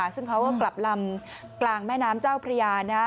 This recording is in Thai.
ซึ่งเขาก็กลับลำกลางแม่น้ำเจ้าพระยา